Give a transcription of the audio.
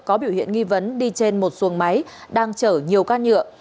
có biểu hiện nghi vấn đi trên một xuồng máy đang chở nhiều can nhựa